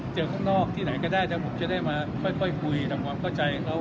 ข้างนอกที่ไหนก็ได้แต่ผมจะได้มาค่อยคุยทำความเข้าใจเขา